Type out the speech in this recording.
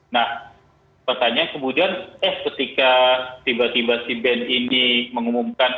nah pertanyaan kemudian eh ketika tiba tiba si band ini mengumumkan